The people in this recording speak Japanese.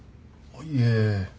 いえ。